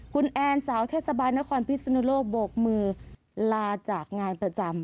คุณแอนสาวเทศบาลนครพิศนุโลกโบกมือลาจากงานประจำ